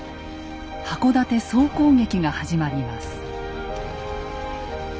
箱館総攻撃が始まります。